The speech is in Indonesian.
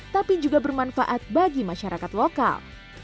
tapi juga bermanfaat bagi masyarakat lokal